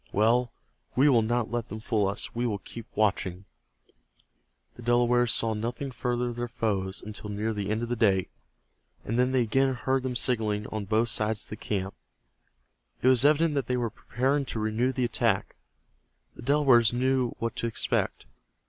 Well, we will not let them fool us. We will keep watching." The Delawares saw nothing further of their foes until near the end of the day, and then they again heard them signaling on both sides of the camp. It was evident that they were preparing to renew the attack. The Delawares knew what to expect.